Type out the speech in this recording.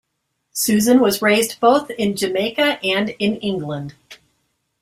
Susan was raised both in Jamaica and in England.